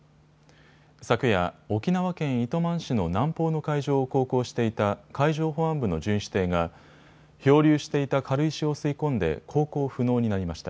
昨夜、沖縄県糸満市の南方の海上を航行していた海上保安部の巡視艇が漂流していた軽石を吸い込んで航行不能になりました。